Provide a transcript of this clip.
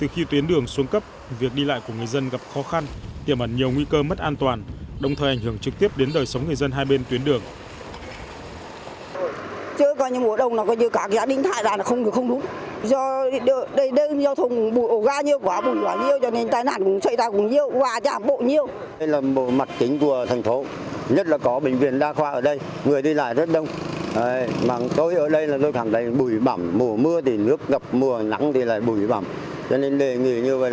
vào xuống cấp việc đi lại của người dân gặp khó khăn tiềm ẩn nhiều nguy cơ mất an toàn đồng thời ảnh hưởng trực tiếp đến đời sống người dân hai bên tuyến đường